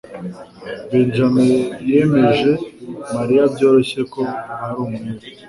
Benjamin yemeje Mariya byoroshye ko ari umwere.